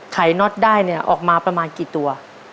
น็อตได้เนี่ยออกมาประมาณกี่ตัว